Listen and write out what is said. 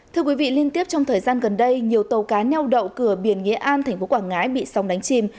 thưa quý vị liên tiếp trong thời gian gần đây nhiều tàu cá neo đậu cửa biển nghĩa an tp quảng ngãi bị sóng đánh chìm